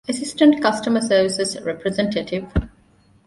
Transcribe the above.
އެސިސްޓެންޓް ކަސްޓަމަރ ސަރވިސް ރެޕްރެޒެންޓޭޓިވް